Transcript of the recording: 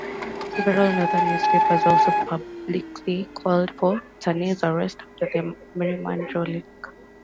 Several northern newspapers also publicly called for Taney's arrest after the Merryman ruling.